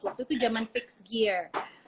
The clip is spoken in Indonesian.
waktu itu jaman fixed gear